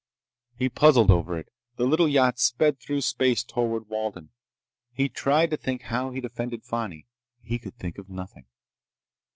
He puzzled over it. The little yacht sped through space toward Walden. He tried to think how he'd offended Fani. He could think of nothing.